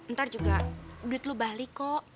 ntar juga duit lo balik kok